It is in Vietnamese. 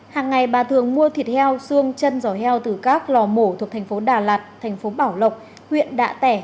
hàng ngày bà thường mua thịt heo xương chân giỏ heo từ các lò mổ thuộc tp đà lạt tp bảo lộc huyện đạ tẻ